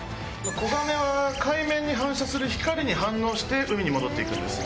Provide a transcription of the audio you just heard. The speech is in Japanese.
子ガメは海面に反射する光に反応して海に戻っていくんです。